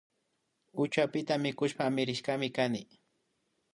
Uchuapita mikushpa amirishkami kani